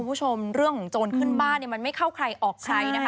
คุณผู้ชมเรื่องจนขึ้นบ้านมาไม่เข้าออกใคร